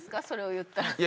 それを言ったら。